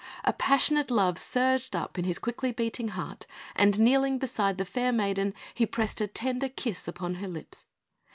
A passionate love surged up in his quickly beating heart; and kneeling beside the fair maiden, he pressed a tender kiss upon her lips.